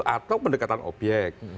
atau pendekatan obyek